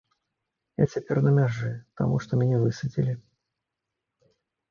Я цяпер на мяжы, таму што мяне высадзілі.